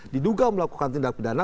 diduga melakukan tindak pidana